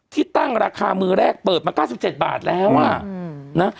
ที่ตั้งราคามือแรกเปิดมาเก้าสิบเจ็ดบาทแล้วอ่ะอืมนะ